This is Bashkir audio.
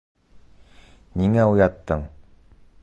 Ниңә уяттың?